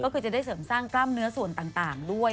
ก็คือจะได้เสริมสร้างกล้ามเนื้อส่วนต่างด้วย